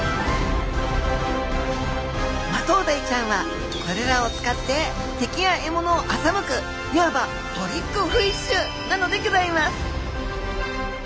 マトウダイちゃんはこれらを使って敵や獲物を欺くいわばトリックフィッシュなのでギョざいます